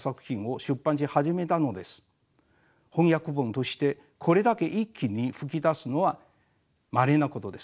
翻訳本としてこれだけ一気に噴き出すのはまれなことです。